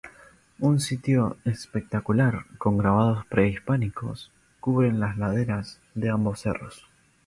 Un sitio espectacular, con grabados prehispánicos, cubren las laderas de ambos cerros.